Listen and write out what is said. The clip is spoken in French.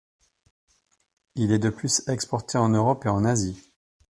Il est de plus exporté en Europe et en Asie.